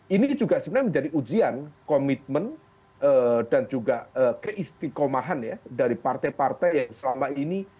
ini juga sebenarnya menjadi ujian komitmen dan juga keistikomahan ya dari partai partai yang selama ini